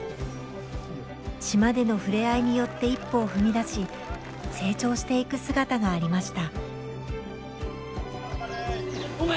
島での触れ合いによって一歩を踏み出し成長していく姿がありました。